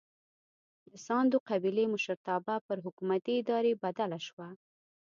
د ساندو قبیلې مشرتابه پر حکومتي ادارې بدله شوه.